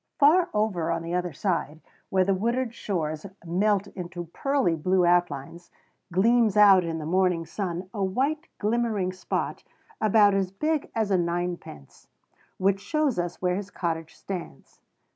Far over on the other side, where the wooded shores melt into pearly blue outlines, gleams out in the morning sun a white, glimmering spot about as big as a ninepence, which shows us where his cottage stands.